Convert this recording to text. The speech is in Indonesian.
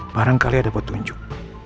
barangkali ada petunjuk